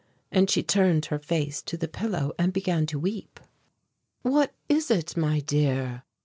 And she turned her face to the pillow and began to weep. "What is it, my dear?"